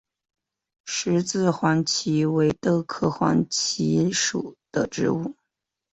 十字形黄耆为豆科黄芪属的植物。